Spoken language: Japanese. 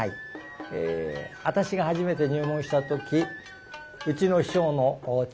私が初めて入門した時うちの師匠の長女